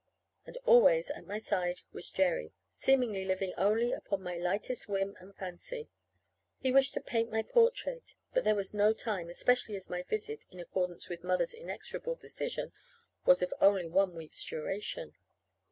And always, at my side, was Jerry, seemingly living only upon my lightest whim and fancy. He wished to paint my portrait; but there was no time, especially as my visit, in accordance with Mother's inexorable decision, was of only one week's duration.